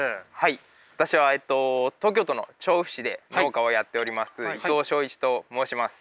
私はえっと東京都の調布市で農家をやっております伊藤彰一と申します。